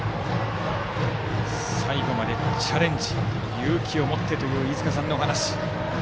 最後までチャレンジ勇気を持ってという飯塚さんのお話。